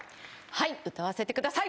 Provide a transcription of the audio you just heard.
はい歌わせてください！